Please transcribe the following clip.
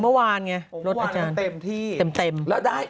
เมื่อวานไงรถอาจารย์เต็มที่